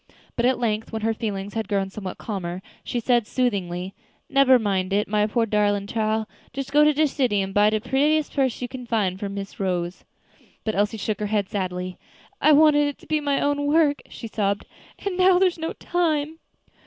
But at length, when her feelings had grown somewhat calmer, she said soothingly, "Nebber mind it, my poor darlin' chile. Just go to de city and buy de prettiest purse you can find, for Miss Rose." But Elsie shook her head sadly. "I wanted it to be my own work," she sobbed, "and now there is no time."